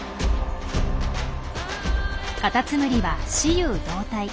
カタツムリは雌雄同体。